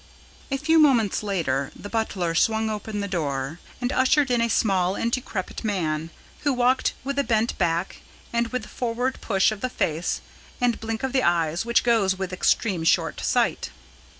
A few moments later the butler swung open the door and ushered in a small and decrepit man, who walked with a bent back and with the forward push of the face and blink of the eyes which goes with extreme short sight.